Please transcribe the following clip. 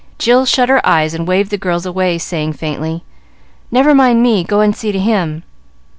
Jill shut her eyes and waved the girls away, saying, faintly, "Never mind me. Go and see to him."